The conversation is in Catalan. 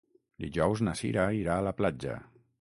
Dijous na Cira irà a la platja.